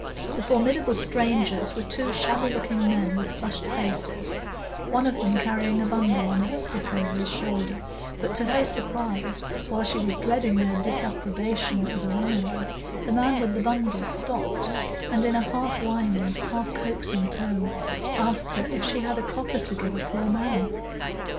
The formidable strangers were two shabby looking men with flushed faces, one of them carrying a bundle on a stick over his shoulder; but to her surprise, while she was dreading their disapprobation as a runaway, the man with the bundle stopped, and in a half whining, half coaxing tone asked her if she had a copper to give a poor man.